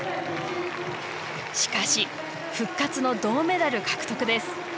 しかし、復活の銅メダル獲得です。